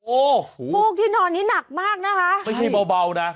โอ้โหฟูกที่นอนนี้หนักมากนะคะไม่ใช่เบานะ